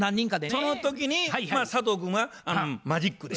その時に佐藤君はマジックで。